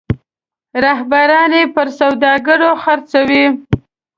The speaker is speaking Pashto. رهبران یې پر سوداګرو خرڅوي.